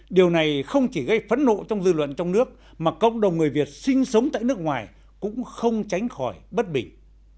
điều này không chỉ gây phấn nộ trong dư luận trong nước mà cộng đồng người việt sinh sống tại nước ngoài cũng không tránh khỏi bất bình